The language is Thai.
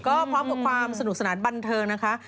ก็พร้อมกับความสนุกสนานบันเทิงนะคะ